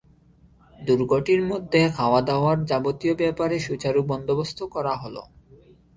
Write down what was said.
দুর্গটির মধ্যে খাওয়াদাওয়ার যাবতীয় ব্যাপারে সুচারু বন্দােবস্ত করা হল।